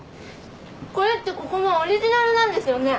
これってここのオリジナルなんですよね？